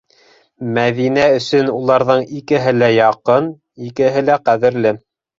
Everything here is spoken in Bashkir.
Мәҙинә өсөн уларҙың икеһе лә яҡын, икеһе лә ҡәҙерле.